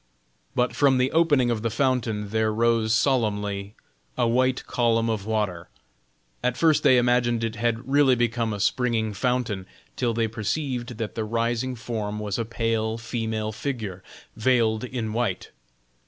But from the opening of the fountain there rose solemnly a white column of water; at first they imagined it had really become a springing fountain, till they perceived that the rising form was a pale female figure veiled in white.